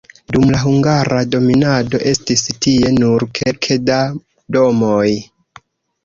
Dum la hungara dominado estis tie nur kelke da domoj.